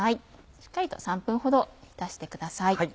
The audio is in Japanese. しっかりと３分ほど浸してください。